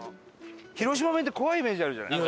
広島弁って怖いイメージあるじゃない？